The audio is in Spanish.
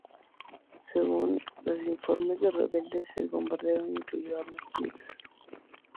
Según los informes de rebeldes, el bombardeo incluyó armas químicas.